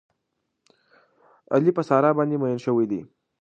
علي په ساره باندې مین شوی دی.